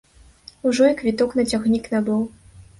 Ужо і квіток на цягнік набыў.